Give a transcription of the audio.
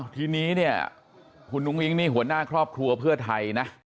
ทีนี้เนี่ยคุณอุ้งอิงนี่หัวหน้าครอบครัวเพื่อไทยนะ